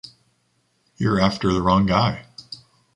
You're after the wrong guy!